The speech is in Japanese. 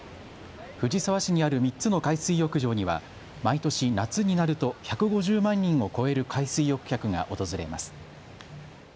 藤沢市にある３つの海水浴場には毎年、夏になると１５０万人を超える海水浴客が訪れます。